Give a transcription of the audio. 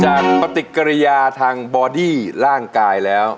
จากปฏิกิริยาทางบอดี้ร่างกายแล้ว